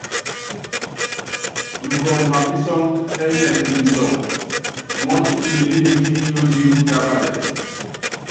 Mukɔl mapísɔ́ŋ íniɛ tupisɔŋ, muɔ́n u kilelí metinyí yóotie kupíákalet.